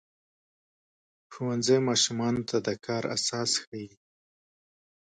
ښوونځی ماشومانو ته د کار اساس ښيي.